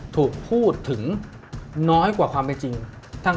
ถูกพูดถึงน้อยกว่าความเป็นจริง